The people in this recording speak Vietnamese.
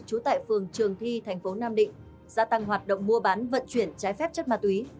trú tại phường trường thi thành phố nam định gia tăng hoạt động mua bán vận chuyển trái phép chất ma túy